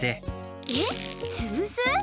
えっつぶす？